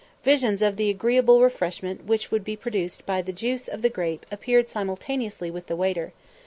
Visions of the agreeable refreshment which would be produced by the juice of the grape appeared simultaneously with the waiter.